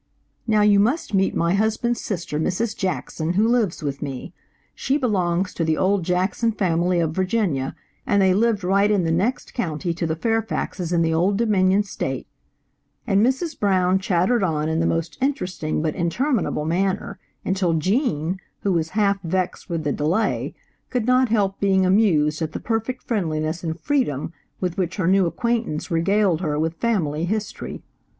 Now you must meet my husband's sister, Mrs. Jackson, who lives with me. She belongs to the old Jackson family of Virginia, and they lived right in the next county to the Fair COPIES OF FAMOUS PAINTINGS. faxes in the old Dominion State," and Mrs. Brown chattered on in the most interesting but interminable manner, until Gene, who was half vexed with the delay, could not help being amused at the perfect friendliness and freedom with which her new acquaintance regaled her with family history.